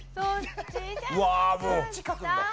うわあもう。